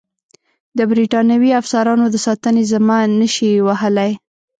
د برټانوي افسرانو د ساتنې ذمه نه شي وهلای.